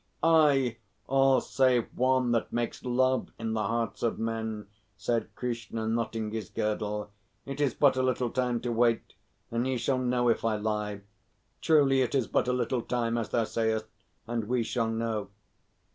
"Ay, all save one that makes love in the hearts of men," said Krishna, knotting his girdle. "It is but a little time to wait, and ye shall know if I lie. Truly it is but a little time, as thou sayest, and we shall know.